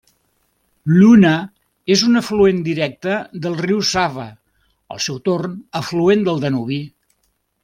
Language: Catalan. L'Una és un afluent directe del riu Sava, al seu torn afluent del Danubi.